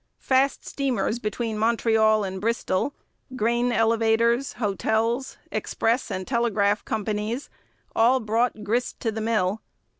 Fast steamers between Montreal and Bristol, grain elevators, hotels, express and telegraph companies, all brought grist to the mill.